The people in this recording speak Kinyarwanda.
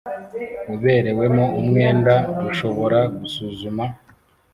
uberewemo umwenda rushobora gusuzuma